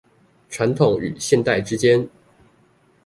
傳統與現代之間